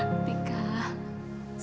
aku bisa menentukan hidupku sendiri